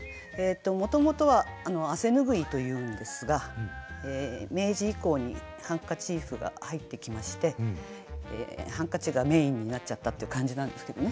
もともとは「汗拭ひ」と言うんですが明治以降にハンカチーフが入ってきましてハンカチがメインになっちゃったっていう感じなんですけどね。